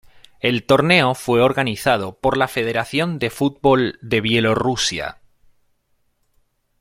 El torneo fue organizado por la Federación de Fútbol de Bielorrusia.